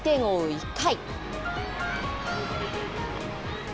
１回。